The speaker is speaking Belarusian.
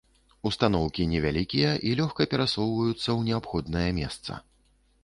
Устаноўкі невялікія і лёгка перасоўваюцца ў неабходнае месца.